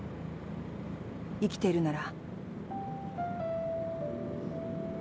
生きているなら。